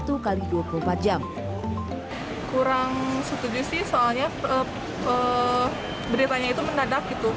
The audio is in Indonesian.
kurang setuju sih soalnya beritanya itu mendadak gitu